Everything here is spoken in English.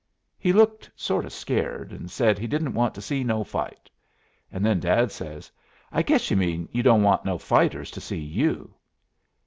He looked sort of scared, and said he didn't want to see no fight. And then Dad says, 'I guess you mean you don't want no fighters to see you.'